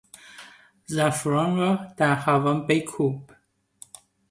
زعفران را در هاون بکوب.